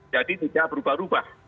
jadi sudah berubah rubah